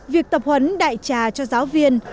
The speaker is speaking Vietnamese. việc tập huấn đại trà cho giáo viên